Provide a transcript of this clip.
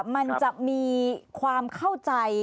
มันจะมีความเข้าใจ